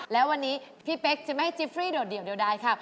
แล้ววันนี้พี่เป๊กจะไม่ให้จิฟฟรีโดดเดี่ยวใดค่ะ